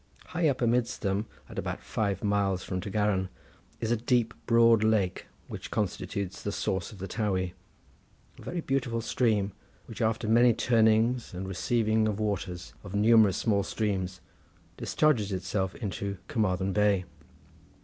High up amidst them, at about five miles from Tregaron, is a deep broad lake which constitutes the source of the Towy, a very beautiful stream, which, after many turnings and receiving the waters of numerous small streams, discharges itself into Carmarthen Bay.